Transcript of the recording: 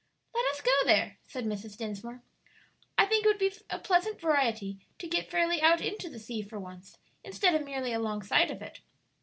"Let us go there," said Mrs. Dinsmore; "I think it would be a pleasant variety to get fairly out into the sea for once, instead of merely alongside of it."